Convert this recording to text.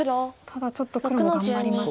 ただちょっと黒も頑張りました。